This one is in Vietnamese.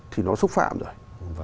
thì nó xúc phạm rồi